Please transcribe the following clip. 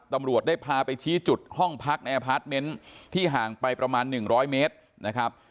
ตำรวจได้พาไปชี้จุดห้องพักในอพาร์ทเมนต์ที่ห่างไปประมาณ๑๐๐เมตรนะครับ